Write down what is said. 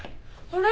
あれ？